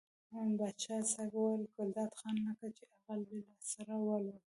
پاچا صاحب وویل ګلداد خانه لکه چې عقل دې له سره والوت.